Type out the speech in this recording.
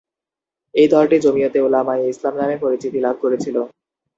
এই দলটি জমিয়তে উলামায়ে ইসলাম নামে পরিচিতি লাভ করেছিল।